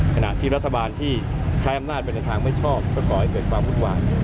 ขณะที่รัฐบาลที่ใช้อำนาจไปในทางไม่ชอบก็ก่อให้เกิดความวุ่นวาย